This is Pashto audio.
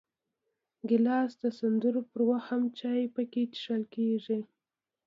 ګیلاس د سندرو پر وخت هم چای پکې څښل کېږي.